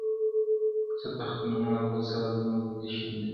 • څه تخمونه د فساد مو دي شيندلي -